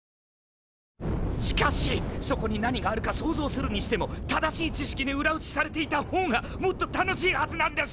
しかしそこに何があるか想像するにしても正しい知識に裏打ちされていた方がもっと楽しいはずなんです！